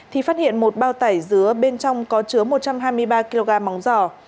thì phát hiện một bao tải dứa bên trong có chứa một trăm hai mươi ba kg móng giò